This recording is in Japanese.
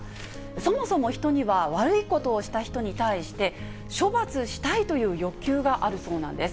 そもそも人には悪いことをした人に対して、処罰したいという欲求があるそうなんです。